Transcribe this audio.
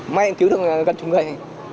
may em cứu được gần chúng gầy